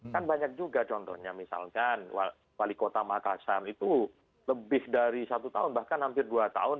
kan banyak juga contohnya misalkan wali kota makassar itu lebih dari satu tahun bahkan hampir dua tahun